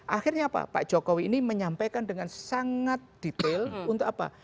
akhirnya apa pak jokowi ini menyampaikan dengan sangat detail untuk apa